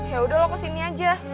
yaudah lo ke sini aja